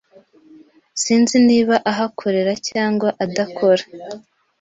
Sinzi niba ahakorera cyangwa adakora